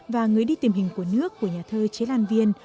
và người đi tìm hình của nước của nhà thơ chế lan viên